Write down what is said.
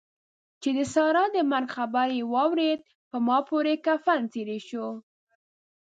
چې د سارا د مرګ خبر مې واورېد؛ په ما پورې کفن څيرې شو.